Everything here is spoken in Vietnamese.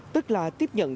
tức là tiếp nhận